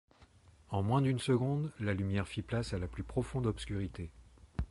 En moins d’une seconde, la lumière fit place à la plus profonde obscurité.